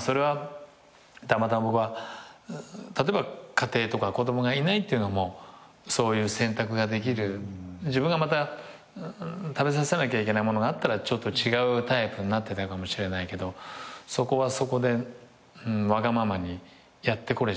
それはたまたま僕は例えば家庭とか子供がいないっていうのもそういう選択ができる自分が食べさせなきゃいけないものがあったらちょっと違うタイプになってたかもしれないけどそこはそこでわがままにやってこれちゃったんで。